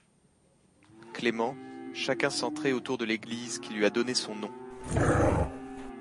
Clement, chacun centré autour de l'église qui lui a donné son nom.